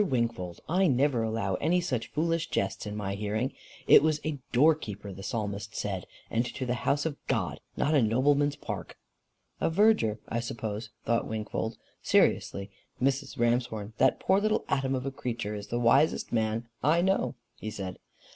Wingfold, I never allow any such foolish jests in my hearing. It was a DOOR keeper the Psalmist said and to the house of God, not a nobleman's park." "A verger, I suppose," thought Wingfold. "Seriously, Mrs. Ramshorn, that poor little atom of a creature is the wisest man I know," he said.